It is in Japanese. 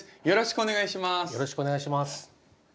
よろしくお願いします。